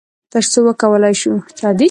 تر څو وکولی شو،